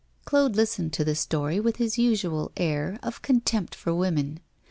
Claude listened to the story with his usual air of contempt for women.